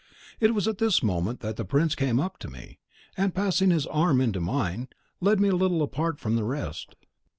It was at this moment that the prince came up to me, and, passing his arm into mine, led me a little apart from the rest.